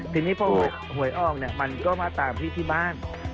ทีนี้พอหวยออกเนี่ยมันก็มาตามพี่ที่บ้าน